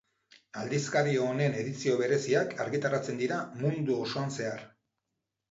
Aldizkari honen edizio bereziak argitaratzen dira mundu osoan zehar.